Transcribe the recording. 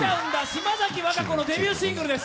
島崎和歌子のデビューシングルです。